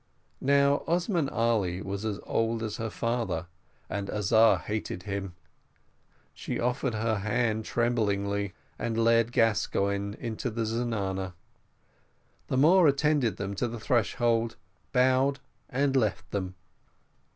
Now Osman Ali was as old as her father, and Azar hated him. She offered her hand tremblingly, and led Gascoigne into the zenana. The Moor attended them to the threshold, bowed, and left them.